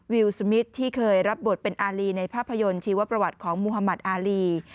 วิวสมิทที่เคยรับบทเป็นอารีในภาพยนตร์ชีวประวัติของมุธมัติอารี